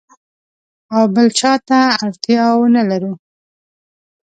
او بل چاته اړتیا ونه لرو.